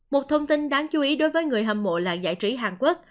một thông tin đáng chú ý đối với người hâm mộ là giải trí hàn quốc